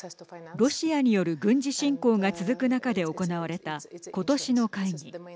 ロシアによる軍事侵攻が続く中で行われた今年の会議。